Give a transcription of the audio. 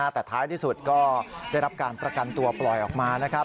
แต่ท้ายที่สุดก็ได้รับการประกันตัวปล่อยออกมานะครับ